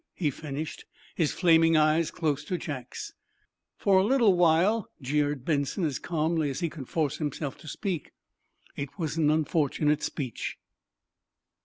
he finished, his flaming eyes close to Jack's. "For a little while," jeered Benson, as calmly as he could force himself to speak. It was an unfortunate speech.